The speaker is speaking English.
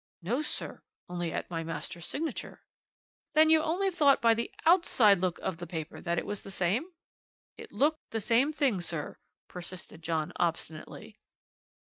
"'No, sir, only at my master's signature.' "'Then you only thought by the outside look of the paper that it was the same?' "'It looked the same thing, sir,' persisted John obstinately.